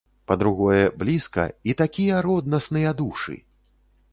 Па-другое, блізка, і такія роднасныя душы!